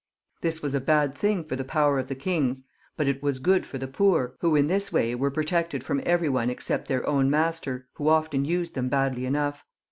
This was a bad thing for the power of the kings, but it was good for the poor, who in this way were protected from every one exc^t their own master, who often used them badly enough.